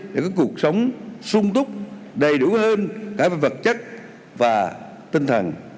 để có cuộc sống sung túc đầy đủ hơn cả về vật chất và tinh thần